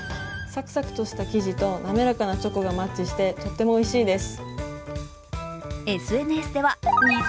さくさくとした生地と滑らかなチョコがマッチしてとてもおいしいです。